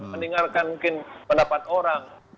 mendengarkan mungkin pendapat orang